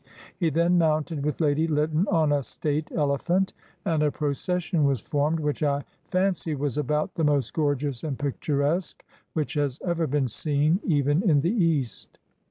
He then mounted with Lady Lytton, on a state elephant, and a procession was formed, which, I fancy, was about the most gorgeous and picturesque which has ever been seen, even in the East.